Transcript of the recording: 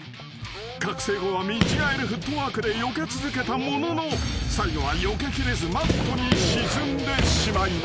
覚醒後は見違えるフットワークでよけ続けたものの最後はよけきれずマットに沈んでしまいました］